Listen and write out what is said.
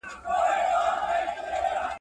د زعفرانو عاید د نفتو سره پرتله کېږي.